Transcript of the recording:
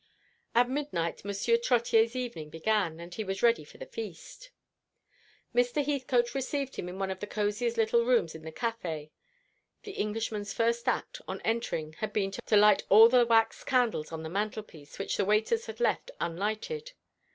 At midnight Monsieur Trottier's evening began, and he was ready for the feast. Mr. Heathcote received him in one of the cosiest little rooms in the café. The Englishman's first act on entering had been to light all the wax candles on the mantelpiece, which the waiters had left unlighted.